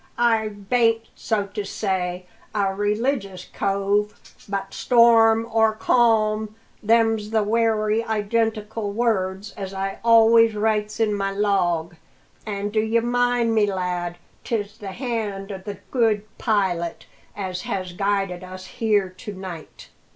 "I bain't, so to say, a religious cove; but, storm or calm, them's the wery identical words as I always writes in my log. An', d'ye mind me, lad, 'tis the hand o' the Good Pilot as has guided us here to night."